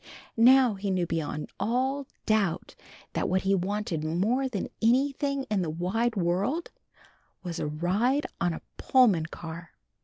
Now he knew beyond all doubt that what he wanted more than anything in the wide world, was a ride on a Pullman car.